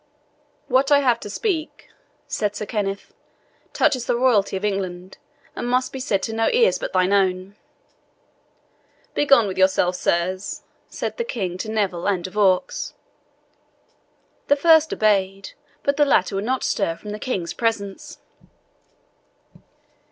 "What I have to speak," said Sir Kenneth, "touches the royalty of England, and must be said to no ears but thine own." "Begone with yourselves, sirs," said the King to Neville and De Vaux. The first obeyed, but the latter would not stir from the King's presence.